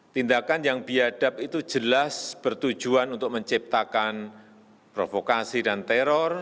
tindakan yang biadab itu jelas bertujuan untuk menciptakan provokasi dan teror